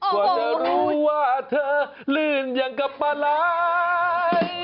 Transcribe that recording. กว่าจะรู้ว่าเธอลื่นอย่างกับปลาร้าย